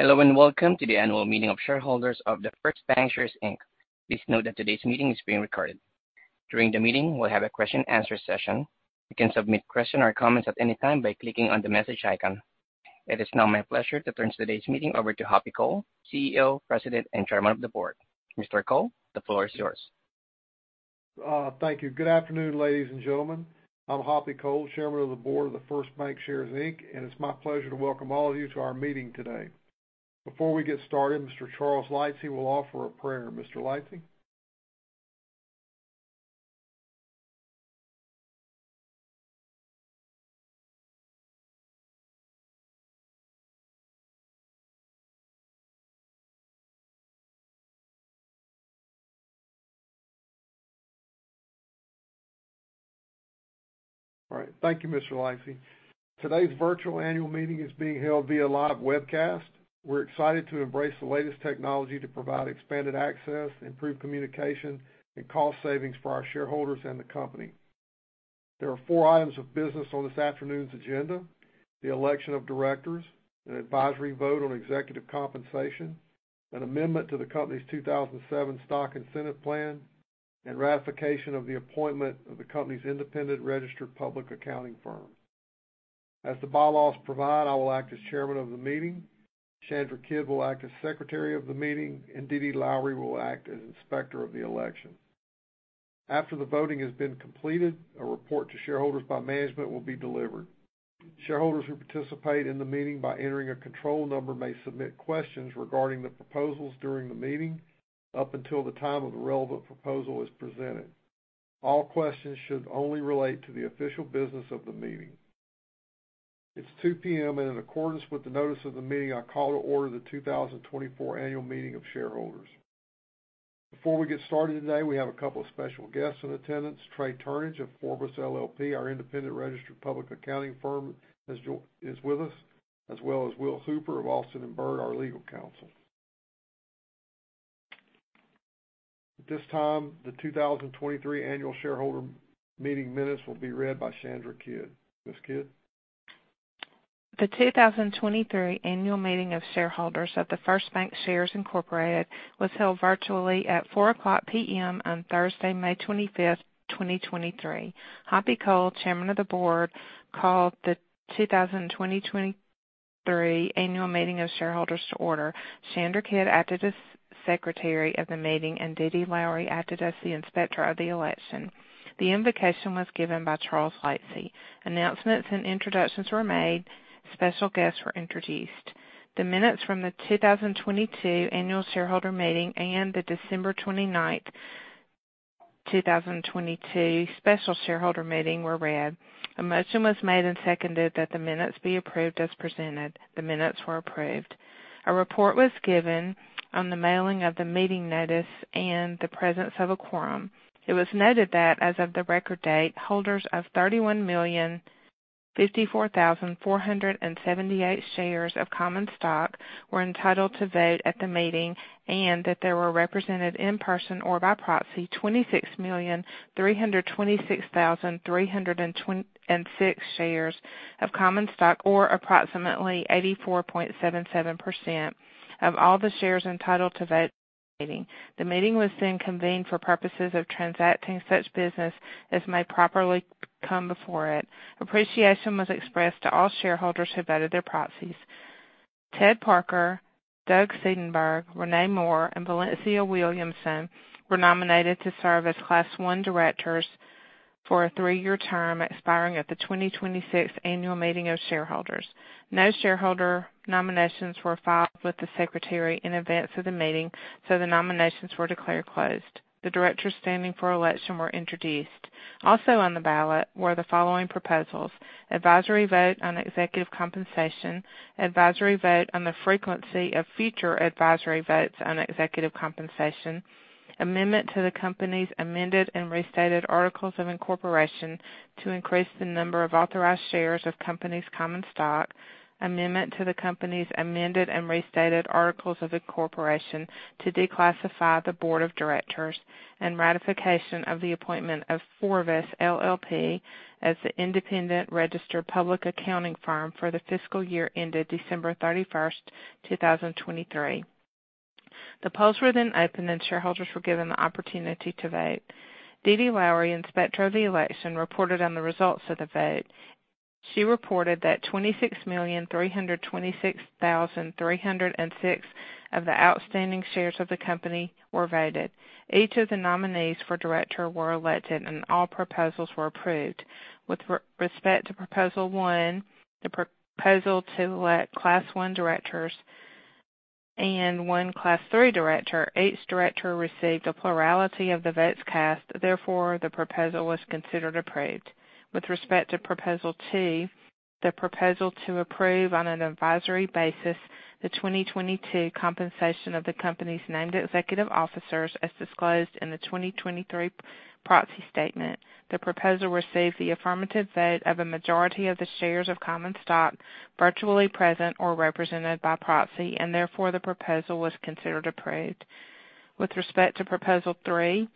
Hello, and welcome to the annual meeting of shareholders of The First Bancshares, Inc. Please note that today's meeting is being recorded. During the meeting, we'll have a question-and-answer session. You can submit question or comments at any time by clicking on the message icon. It is now my pleasure to turn today's meeting over to Hoppy Cole, CEO, President, and Chairman of the Board. Mr. Cole, the floor is yours. Thank you. Good afternoon, ladies and gentlemen. I'm Hoppy Cole, Chairman of the Board of The First Bancshares, Inc., and it's my pleasure to welcome all of you to our meeting today. Before we get started, Mr. Charles Lightsey will offer a prayer. Mr. Lightsey? All right. Thank you, Mr. Lightsey. Today's virtual annual meeting is being held via live webcast. We're excited to embrace the latest technology to provide expanded access, improved communication, and cost savings for our shareholders and the company. There are four items of business on this afternoon's agenda: the election of directors, an advisory vote on executive compensation, an amendment to the company's 2007 Stock Incentive Plan, and ratification of the appointment of the company's independent registered public accounting firm. As the bylaws provide, I will act as chairman of the meeting, Chandra Kidd will act as secretary of the meeting, and Dee Dee Lowery will act as inspector of the election. After the voting has been completed, a report to shareholders by management will be delivered. Shareholders who participate in the meeting by entering a control number may submit questions regarding the proposals during the meeting, up until the time of the relevant proposal is presented. All questions should only relate to the official business of the meeting. It's 2:00 P.M., and in accordance with the notice of the meeting, I call to order the 2024 Annual Meeting of Shareholders. Before we get started today, we have a couple of special guests in attendance. Trey Turnage of FORVIS, LLP, our independent registered public accounting firm, is with us, as well as Will Hooper of Alston & Bird LLP, our legal counsel. At this time, the 2023 Annual Shareholder Meeting minutes will be read by Chandra Kidd. Ms. Kidd? The 2023 Annual Meeting of Shareholders of The First Bancshares, Inc., was held virtually at 4:00 P.M. on Thursday, May 25, 2023. Hoppy Cole, Chairman of the Board, called the 2023 Annual Meeting of Shareholders to order. Chandra Kidd acted as secretary of the meeting, and Dee Dee Lowery acted as the inspector of the election. The invocation was given by Charles Lightsey. Announcements and introductions were made. Special guests were introduced. The minutes from the 2022 Annual Shareholder Meeting and the December 29th, 2022, Special Shareholder Meeting were read. A motion was made and seconded that the minutes be approved as presented. The minutes were approved. A report was given on the mailing of the meeting notice and the presence of a quorum. It was noted that as of the record date, holders of 31,054,478 shares of common stock were entitled to vote at the meeting, and that there were represented in person or by proxy, 26,326,326 shares of common stock, or approximately 84.77% of all the shares entitled to vote at the meeting. The meeting was then convened for purposes of transacting such business as may properly come before it. Appreciation was expressed to all shareholders who voted their proxies. Ted Parker, Douglas Seidenburg, Renee Moore, and Valencia M. Williamson were nominated to serve as Class One directors for a three-year term expiring at the 2026 Annual Meeting of Shareholders. No shareholder nominations were filed with the secretary in advance of the meeting, so the nominations were declared closed. The directors standing for election were introduced. Also on the ballot were the following proposals: advisory vote on executive compensation, advisory vote on the frequency of future advisory votes on executive compensation, amendment to the company's amended and restated articles of incorporation to increase the number of authorized shares of company's common stock, amendment to the company's amended and restated articles of incorporation to declassify the board of directors, and ratification of the appointment of FORVIS, LLP, as the independent registered public accounting firm for the fiscal year ended December 31st, 2023. The polls were then opened, and shareholders were given the opportunity to vote. Dee Dee Lowery, Inspector of the Election, reported on the results of the vote. She reported that 26,326,306 of the outstanding shares of the company were voted. Each of the nominees for director were elected, and all proposals were approved. With respect to Proposal 1, the proposal to elect Class One directors and one Class Three director, each director received a plurality of the votes cast. Therefore, the proposal was considered approved. With respect to Proposal 2, the proposal to approve, on an advisory basis, the 2022 compensation of the company's named executive officers, as disclosed in the 2023 proxy statement. The proposal received the affirmative vote of a majority of the shares of common stock, virtually present or represented by proxy, and therefore, the proposal was considered approved. With respect to Proposal 3,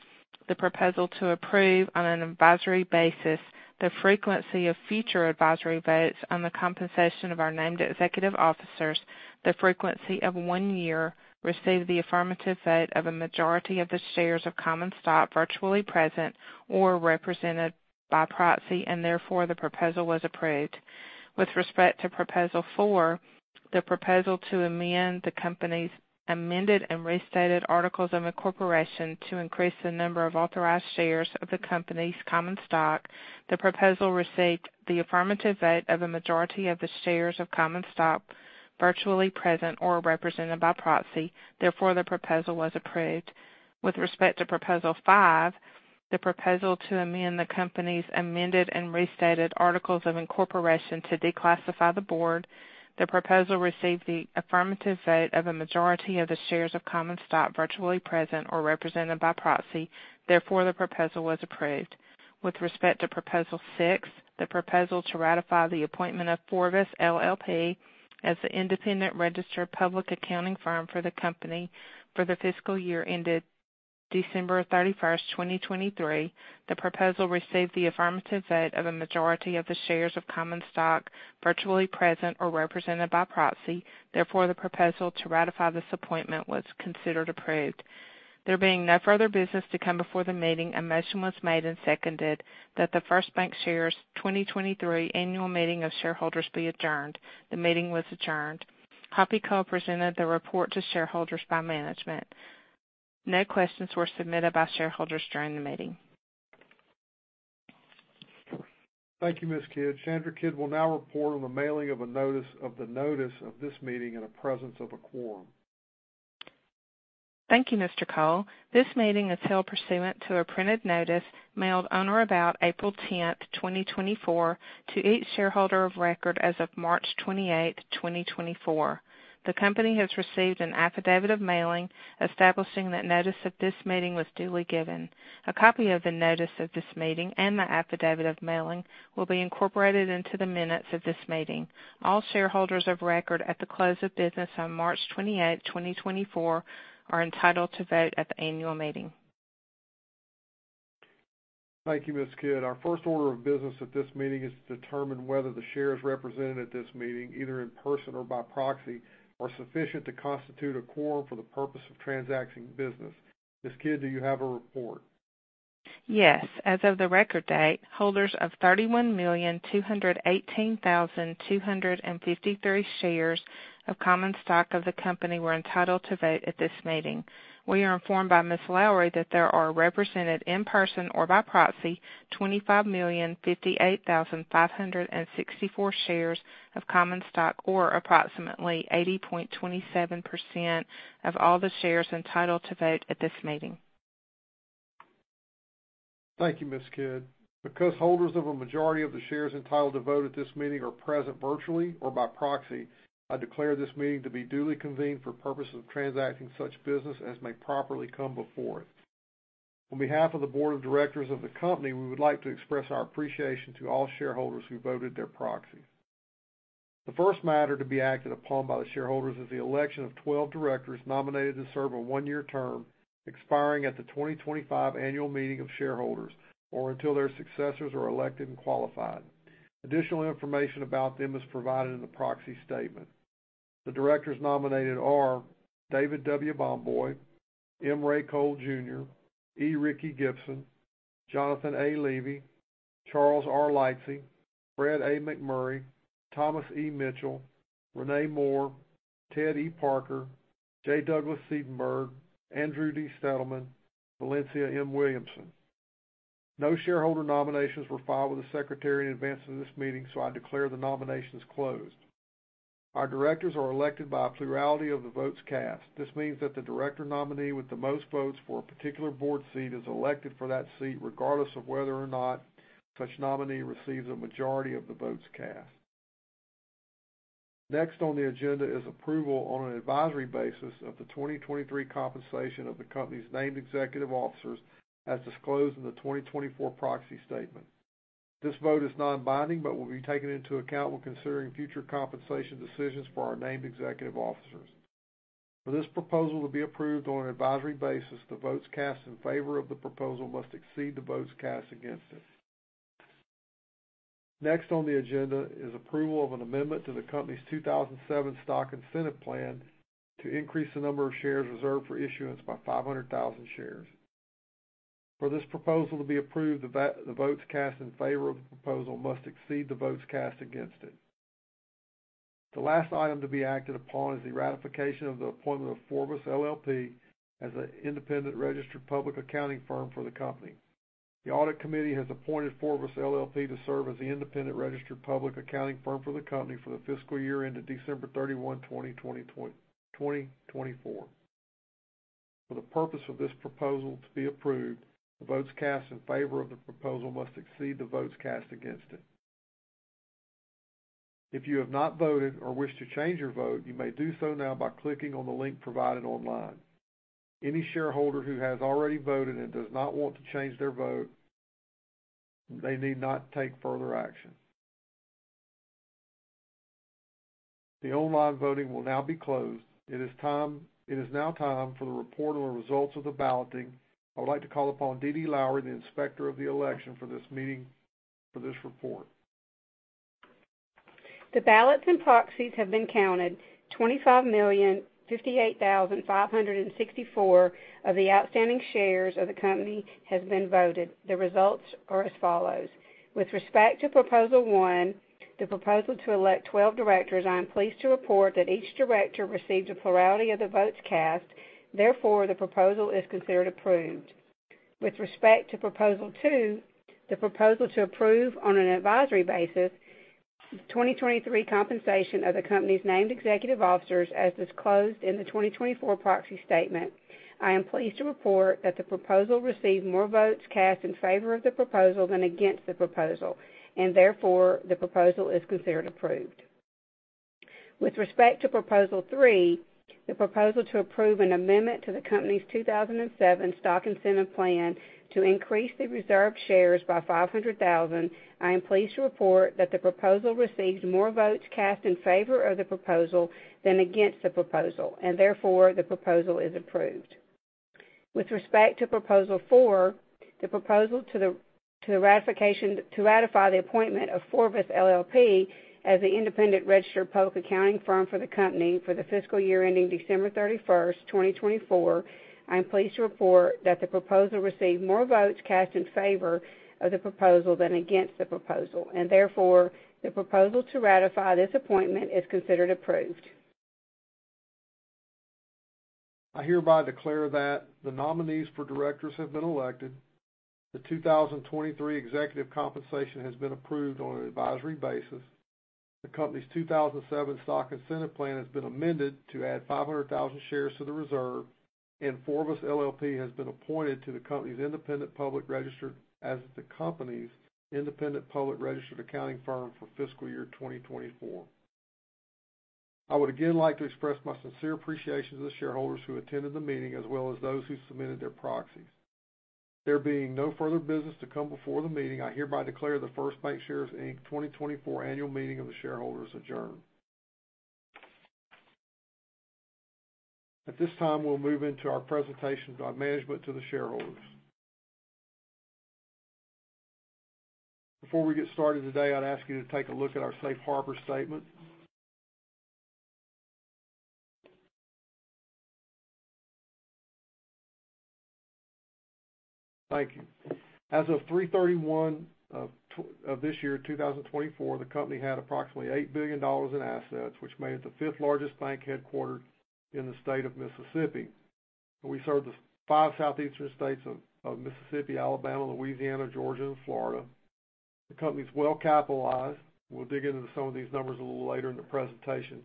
the proposal to approve on an advisory basis, the frequency of future advisory votes on the compensation of our named executive officers, the frequency of one year received the affirmative vote of a majority of the shares of common stock, virtually present or represented by proxy, and therefore, the proposal was approved. With respect to Proposal 4, the proposal to amend the company's amended and restated articles of incorporation to increase the number of authorized shares of the company's common stock, the proposal received the affirmative vote of a majority of the shares of common stock, virtually present or represented by proxy, therefore, the proposal was approved. With respect to Proposal 5, the proposal to amend the company's amended and restated articles of incorporation to declassify the board, the proposal received the affirmative vote of a majority of the shares of common stock, virtually present or represented by proxy; therefore, the proposal was approved. With respect to Proposal 6, the proposal to ratify the appointment of FORVIS, LLP as the independent registered public accounting firm for the company for the fiscal year ended December 31, 2023, the proposal received the affirmative vote of a majority of the shares of common stock, virtually present or represented by proxy; therefore, the proposal to ratify this appointment was considered approved. There being no further business to come before the meeting, a motion was made and seconded that the The First Bancshares 2023 annual meeting of shareholders be adjourned. The meeting was adjourned. Hoppy Cole presented the report to shareholders by management. No questions were submitted by shareholders during the meeting. Thank you, Ms. Kidd. Chandra Kidd will now report on the mailing of the notice of this meeting in the presence of a quorum. Thank you, Mr. Cole. This meeting is held pursuant to a printed notice mailed on or about April 10th, 2024, to each shareholder of record as of March 28th, 2024. The company has received an affidavit of mailing, establishing that notice of this meeting was duly given. A copy of the notice of this meeting and the affidavit of mailing will be incorporated into the minutes of this meeting. All shareholders of record at the close of business on March 28, 2024, are entitled to vote at the annual meeting. Thank you, Ms. Kidd. Our first order of business at this meeting is to determine whether the shares represented at this meeting, either in person or by proxy, are sufficient to constitute a quorum for the purpose of transacting business. Ms. Kidd, do you have a report? Yes. As of the record date, holders of 31,218,253 shares of common stock of the company were entitled to vote at this meeting. We are informed by Ms. Lowery that there are represented in person or by proxy, 25,058,564 shares of common stock, or approximately 80.27% of all the shares entitled to vote at this meeting. Thank you, Ms. Kidd. Because holders of a majority of the shares entitled to vote at this meeting are present, virtually or by proxy, I declare this meeting to be duly convened for purposes of transacting such business as may properly come before it. On behalf of the board of directors of the company, we would like to express our appreciation to all shareholders who voted their proxy. The first matter to be acted upon by the shareholders is the election of 12 directors nominated to serve a one-year term, expiring at the 2025 annual meeting of shareholders, or until their successors are elected and qualified. Additional information about them is provided in the proxy statement. The directors nominated are David W. Bomboy, M. Ray Cole Jr., E. Ricky Gibson, Jonathan A. Levy, Charles R. Lightsey, Fred A. McMurry, Thomas E. Mitchell, Renee Moore, Ted E. Parker, J. Douglas Seidenburg, Andrew D. Stetelman, Valencia M. Williamson. No shareholder nominations were filed with the secretary in advance of this meeting, so I declare the nominations closed. Our directors are elected by a plurality of the votes cast. This means that the director nominee with the most votes for a particular board seat is elected for that seat, regardless of whether or not such nominee receives a majority of the votes cast. Next on the agenda is approval on an advisory basis of the 2023 compensation of the company's named executive officers, as disclosed in the 2024 proxy statement. This vote is non-binding, but will be taken into account when considering future compensation decisions for our named executive officers. For this proposal to be approved on an advisory basis, the votes cast in favor of the proposal must exceed the votes cast against it. Next on the agenda is approval of an amendment to the company's 2007 Stock Incentive Plan to increase the number of shares reserved for issuance by 500,000 shares. For this proposal to be approved, the votes cast in favor of the proposal must exceed the votes cast against it. The last item to be acted upon is the ratification of the appointment of FORVIS, LLP as an independent registered public accounting firm for the company. The audit committee has appointed FORVIS, LLP to serve as the independent registered public accounting firm for the company for the fiscal year ended December 31, 2024. For this proposal to be approved, the votes cast in favor of the proposal must exceed the votes cast against it. If you have not voted or wish to change your vote, you may do so now by clicking on the link provided online. Any shareholder who has already voted and does not want to change their vote, they need not take further action. The online voting will now be closed. It is now time for the report on the results of the balloting. I would like to call upon Dee Dee Lowery, the Inspector of the Election, for this meeting, for this report. The ballots and proxies have been counted. 25,058,564 of the outstanding shares of the company has been voted. The results are as follows: With respect to Proposal 1, the proposal to elect 12 directors, I am pleased to report that each director received a plurality of the votes cast, therefore, the proposal is considered approved. With respect to Proposal 2, the proposal to approve on an advisory basis, the 2023 compensation of the company's named executive officers, as disclosed in the 2024 proxy statement, I am pleased to report that the proposal received more votes cast in favor of the proposal than against the proposal, and therefore, the proposal is considered approved. With respect to Proposal 3, the proposal to approve an amendment to the company's 2007 Stock Incentive Plan to increase the reserve shares by 500,000, I am pleased to report that the proposal received more votes cast in favor of the proposal than against the proposal, and therefore, the proposal is approved. With respect to Proposal 4, the proposal to ratify the appointment of FORVIS, LLP as the independent registered public accounting firm for the company for the fiscal year ending December 31st, 2024, I am pleased to report that the proposal received more votes cast in favor of the proposal than against the proposal, and therefore, the proposal to ratify this appointment is considered approved. I hereby declare that the nominees for directors have been elected, the 2023 executive compensation has been approved on an advisory basis. The company's 2007 stock incentive plan has been amended to add 500,000 shares to the reserve, and FORVIS, LLP has been appointed to the company's independent public registered as the company's independent public registered accounting firm for fiscal year 2024. I would again like to express my sincere appreciation to the shareholders who attended the meeting, as well as those who submitted their proxies. There being no further business to come before the meeting, I hereby declare The First Bancshares, Inc. 2024 annual meeting of the shareholders adjourned. At this time, we'll move into our presentation by management to the shareholders. Before we get started today, I'd ask you to take a look at our safe harbor statement. Thank you. As of 3/31/2024, the company had approximately $8 billion in assets, which made it the fifth largest bank headquartered in the state of Mississippi. We serve the five southeastern states of Mississippi, Alabama, Louisiana, Georgia, and Florida. The company is well capitalized. We'll dig into some of these numbers a little later in the presentation.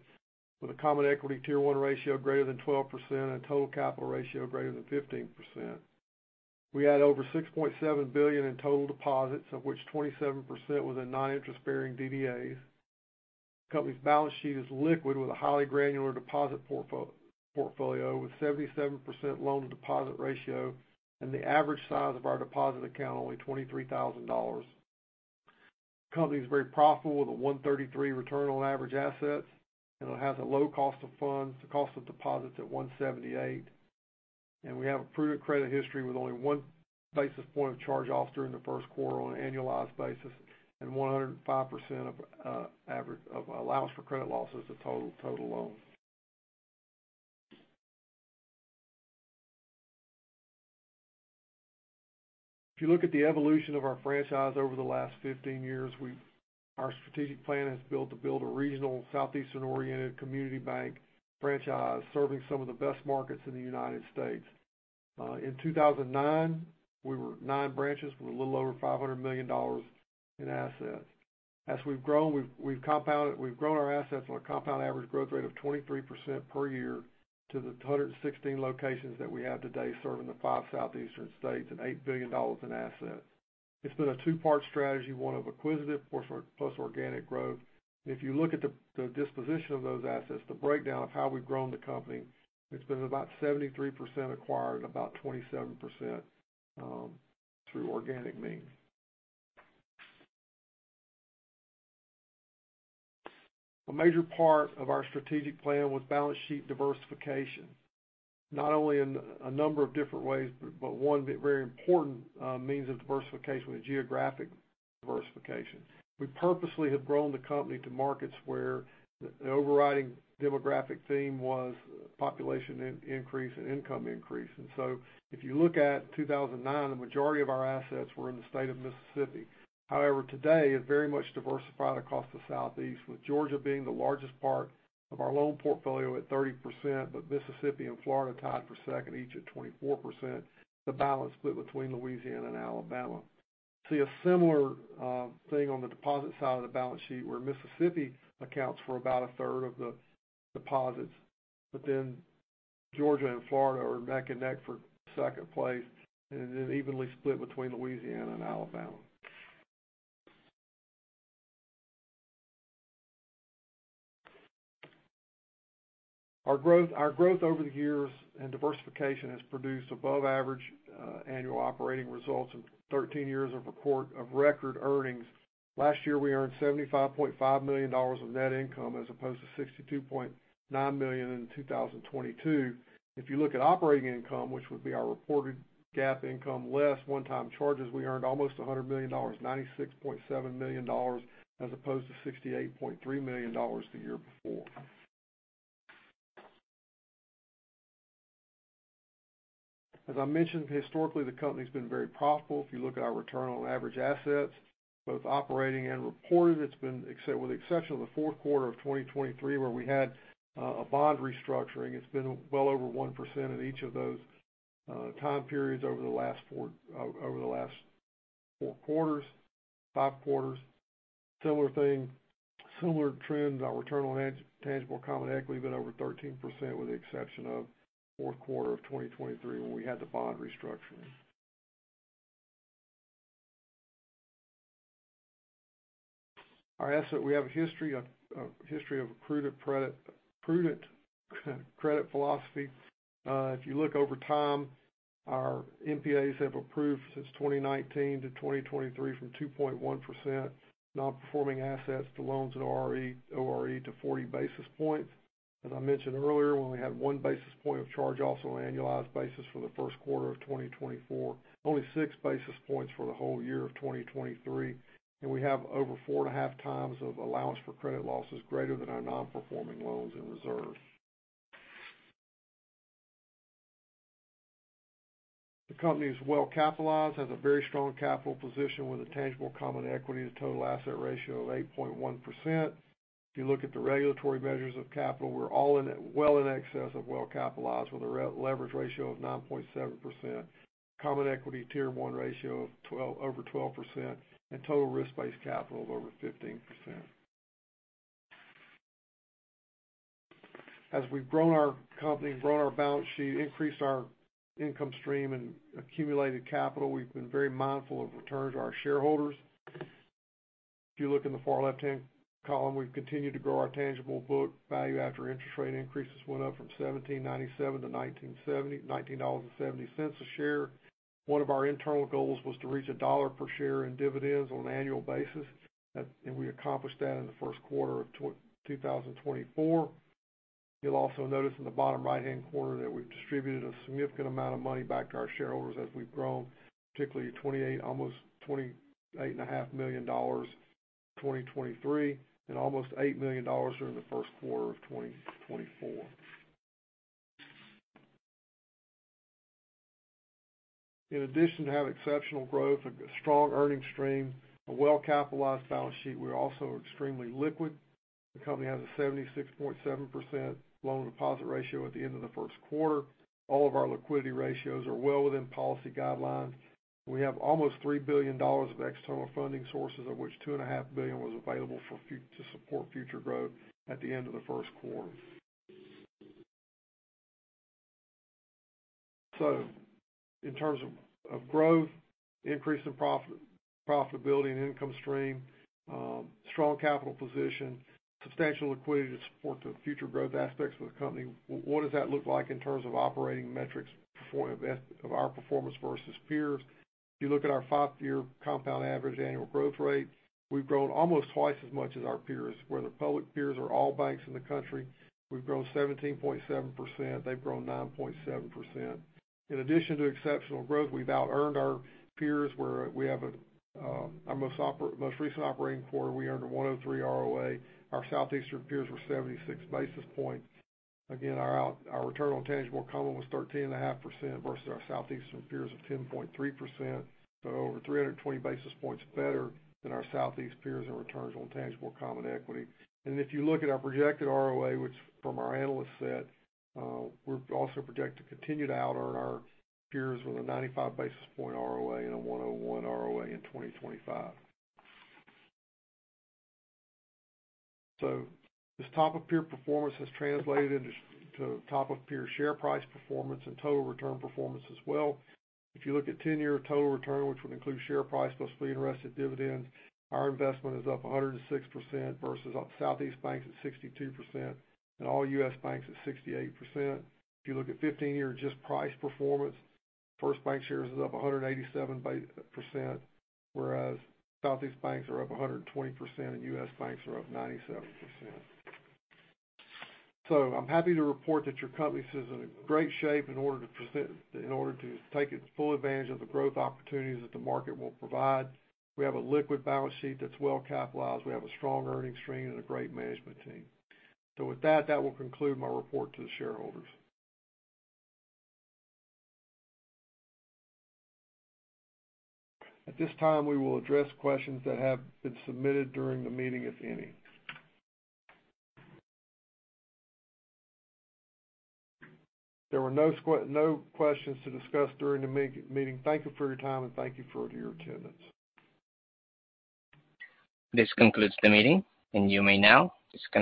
With a Common Equity Tier One ratio greater than 12% and a total capital ratio greater than 15%, we had over $6.7 billion in total deposits, of which 27% was in non-interest-bearing DDAs. The company's balance sheet is liquid, with a highly granular deposit portfolio, with 77% loan-to-deposit ratio and the average size of our deposit account only $23,000. The company is very profitable, with a 1.33 return on average assets, and it has a low cost of funds, the cost of deposits at 1.78. We have a prudent credit history with only one basis point of charge-offs during the first quarter on an annualized basis, and 105% of average allowance for credit losses to total loans. If you look at the evolution of our franchise over the last 15 years, we've our strategic plan is built to build a regional southeastern-oriented community bank franchise, serving some of the best markets in the United States. In 2009, we were nine branches with a little over $500 million in assets. As we've grown, we've grown our assets on a compound average growth rate of 23% per year to the 116 locations that we have today, serving the five southeastern states and $8 billion in assets. It's been a two-part strategy, one of acquisitive plus organic growth. If you look at the disposition of those assets, the breakdown of how we've grown the company, it's been about 73% acquired, about 27% through organic means. A major part of our strategic plan was balance sheet diversification, not only in a number of different ways, but one very important means of diversification was geographic diversification. We purposely have grown the company to markets where the overriding demographic theme was population increase and income increase. And so if you look at 2009, the majority of our assets were in the state of Mississippi. However, today, it very much diversified across the Southeast, with Georgia being the largest part of our loan portfolio at 30%, but Mississippi and Florida tied for second, each at 24%. The balance split between Louisiana and Alabama. See a similar thing on the deposit side of the balance sheet, where Mississippi accounts for about a third of the deposits, but then Georgia and Florida are neck and neck for second place, and it is evenly split between Louisiana and Alabama. Our growth over the years and diversification has produced above average annual operating results of 13 years of record earnings. Last year, we earned $75.5 million of net income, as opposed to $62.9 million in 2022. If you look at operating income, which would be our reported GAAP income, less one-time charges, we earned almost $100 million, $96.7 million, as opposed to $68.3 million the year before. As I mentioned, historically, the company's been very profitable. If you look at our return on average assets, both operating and reported, it's been with the exception of the fourth quarter of 2023, where we had a bond restructuring, it's been well over 1% in each of those time periods over the last four quarters, five quarters. Similar thing, similar trends, our return on tangible common equity, a bit over 13%, with the exception of fourth quarter of 2023, when we had the bond restructuring. Our asset, we have a history of history of prudent credit, prudent credit philosophy. If you look over time, our NPAs have improved since 2019-2023, from 2.1% nonperforming assets to loans at ORE, ORE to 40 basis points. As I mentioned earlier, when we had one basis point of charge-offs, also on annualized basis for the first quarter of 2024, only six basis points for the whole year of 2023. And we have over 4.5x of allowance for credit losses greater than our nonperforming loans in reserve. The company is well capitalized, has a very strong capital position with a tangible common equity to total assets ratio of 8.1%. If you look at the regulatory measures of capital, we're all well in excess of well capitalized, with a regulatory leverage ratio of 9.7%, Common Equity Tier One ratio of over 12%, and Total Risk-Based Capital of over 15%. As we've grown our company and grown our balance sheet, increased our income stream and accumulated capital, we've been very mindful of returns to our shareholders. If you look in the far left-hand column, we've continued to grow our Tangible Book Value after interest rate increases went up from $17.97-$19.70 a share. One of our internal goals was to reach $1 per share in dividends on an annual basis, and we accomplished that in the first quarter of 2024. You'll also notice in the bottom right-hand corner that we've distributed a significant amount of money back to our shareholders as we've grown, particularly 28, almost $28.5 million in 2023, and almost $8 million during the first quarter of 2024. In addition to having exceptional growth, a strong earnings stream, a well-capitalized balance sheet, we're also extremely liquid. The company has a 76.7% loan-to-deposit ratio at the end of the first quarter. All of our liquidity ratios are well within policy guidelines. We have almost $3 billion of external funding sources, of which $2.5 billion was available to support future growth at the end of the first quarter. So in terms of growth, increase in profitability and income stream, strong capital position, substantial liquidity to support the future growth aspects of the company, what does that look like in terms of operating metrics, of our performance versus peers? If you look at our five-year compound average annual growth rate, we've grown almost twice as much as our peers, whether public peers or all banks in the country, we've grown 17.7%, they've grown 9.7%. In addition to exceptional growth, we've outearned our peers, where we have a, our most recent operating quarter, we earned a 1.03 ROA. Our Southeastern peers were 76 basis points. Again, our return on tangible common was 13.5% versus our Southeastern peers of 10.3%, so over 320 basis points better than our Southeast peers in returns on tangible common equity. If you look at our projected ROA, which from our analyst set, we're also projected to continue to outearn our peers with a 95 basis point ROA and a 101 ROA in 2025. So this top-of-peer performance has translated into top-of-peer share price performance and total return performance as well. If you look at 10-year total return, which would include share price, plus fully reinvested dividends, our investment is up 106% versus, Southeast banks at 62% and all U.S. banks at 68%. If you look at 15-year just price performance, First Bancshares is up 187%, whereas Southeast banks are up 120%, and U.S. banks are up 97%. So I'm happy to report that your company is in great shape in order to take its full advantage of the growth opportunities that the market will provide. We have a liquid balance sheet that's well capitalized. We have a strong earnings stream and a great management team. So with that, that will conclude my report to the shareholders. At this time, we will address questions that have been submitted during the meeting, if any. There were no questions to discuss during the meeting. Thank you for your time, and thank you for your attendance. This concludes the meeting, and you may now disconnect.